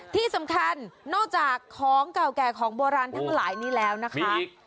ที่สำคัญนอกจากของเก่าแก่ของโบราณทั้งหลายนี้แล้วนะคะ